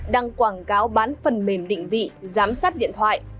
đăng quảng cáo bán phần mềm định vị giám sát điện thoại